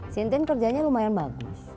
tintin kerjanya lumayan bagus